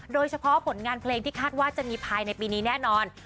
โดยเฉพาะผลงานเพลงที่คาดว่าจะมีภายในปีนี้แน่นอน